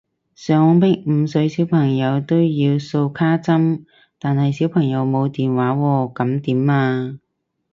想逼五歲小朋友都要掃針卡，但係小朋友冇電話喎噉點啊？